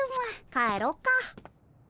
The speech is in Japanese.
帰ろっか。